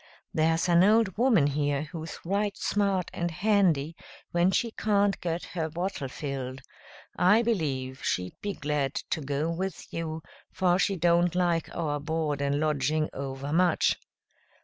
There's an old woman here who's right smart and handy when she can't get her bottle filled. I believe she'd be glad to go with you, for she don't like our board and lodging over much."